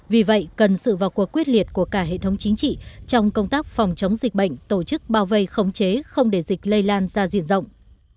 vì vậy cần sự vào cuộc quyết liệt của cả hệ thống chính trị trong công tác phòng chống dịch bệnh tổ chức bao vây khống chế không để dịch lây lan ra diện rộng